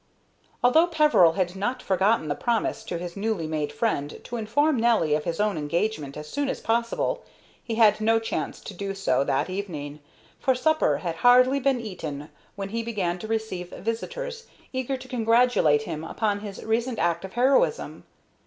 Although Peveril had not forgotten the promise to his newly made friend to inform Nelly of his own engagement as soon as possible, he had no chance to do so that evening; for supper had hardly been eaten when he began to receive visitors eager to congratulate him upon his recent act of heroism.